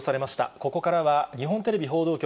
ここからは日本テレビ報道局、